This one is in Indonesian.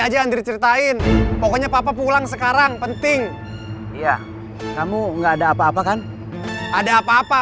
aja andri ceritain pokoknya papa pulang sekarang penting iya kamu nggak ada apa apa kan ada apa